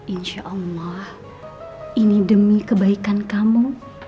insya allah ini demi kebaikan kamu